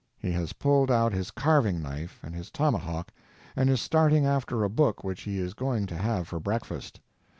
He has pulled out his carving knife and his tomahawk and is starting after a book which he is going to have for breakfast.